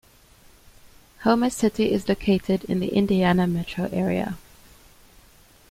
Homer City is located in the Indiana metro area.